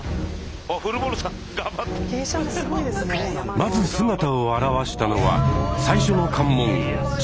まず姿を現したのは最初の関門